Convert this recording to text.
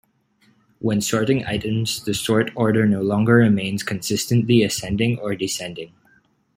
When sorting items, the sort order no longer remains consistently Ascending or Descending.